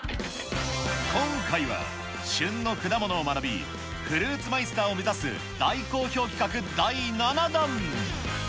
今回は旬の果物を学び、フルーツマイスターを目指す大好評企画第７弾。